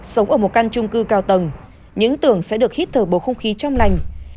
sống ở một căn trung cư cao tầng những tường sẽ được hít thở bộ không khí trong lành